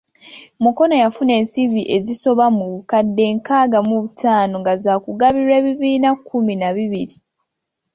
Mukono yafuna ensimbi ezisoba mu bukadde enkaaga mu butaano nga zaakugabirwa ebibiina kumi na bibiri.